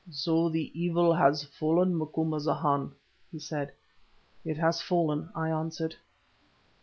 "So the evil has fallen, Macumazahn," he said. "It has fallen," I answered.